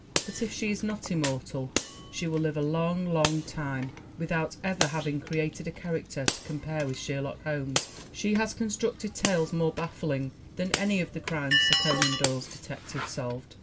But if she is not immortal she will live a long, long time ! Without ever having created a character to com pare with Sherlock Holmes she has constructed tales more baffling than any of the crimes Sir Conan Doyle's detective solved.